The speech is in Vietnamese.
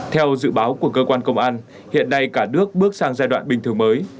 theo dự báo của cơ quan công an hiện nay cả nước bước sang giai đoạn bình thường mới